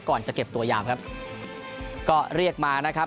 ก่อนจะเก็บตัวยาวครับก็เรียกมานะครับ